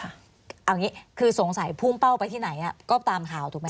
เอาอย่างนี้คือสงสัยพุ่งเป้าไปที่ไหนก็ตามข่าวถูกไหมค